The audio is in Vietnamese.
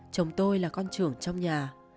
chồng tôi là con trưởng trong nhà